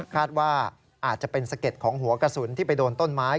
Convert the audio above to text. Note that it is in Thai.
คาดว่าอาจจะเป็นสะเก็ดของหัวกระสุนที่ไปโดนต้นไม้